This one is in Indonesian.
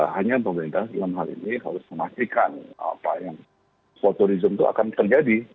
hanya pemerintah dalam hal ini harus memastikan apa yang sporturism itu akan terjadi